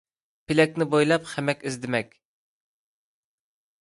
پېلەكنى بويلاپ خەمەك ئىزدىمەك